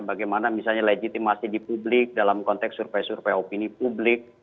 bagaimana misalnya legitimasi di publik dalam konteks survei survei opini publik